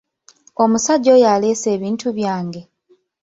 Omusajja oyo aleese ebintu byange?